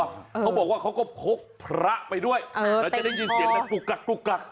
เขาบอกว่าเขาก็พกพระไปด้วยแล้วจะได้ยินเสียงดังกุกกักกุกกัก